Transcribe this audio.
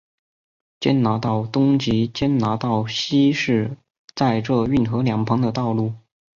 坚拿道东及坚拿道西是在这运河两旁的道路。